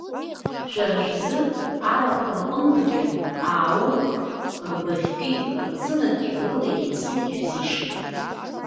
Шәара шәзы, арахә рҟынтәгьы аа-уӷәк рбаӷьки-рцынаки рыла еицны ишәзишеит.